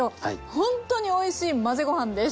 ほんとにおいしい混ぜご飯です。